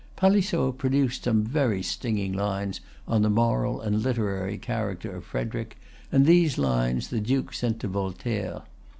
Palissot produced some very stinging lines on the moral and literary character of Frederic, and these lines the Duke sent to Voltaire.